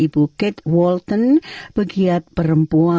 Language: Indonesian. selamat siang bu fre